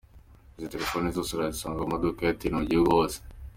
Izi telefone zose urazisanga mu maduka ya Itel mu gihugu hose.